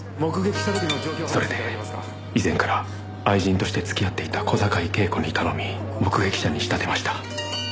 それで以前から愛人として付き合っていた小坂井恵子に頼み目撃者に仕立てました。